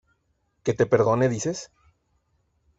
¿ que te perdone dices?